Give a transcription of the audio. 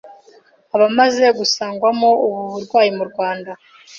abamaze gusangwamo ubu burwayi mu Rwanda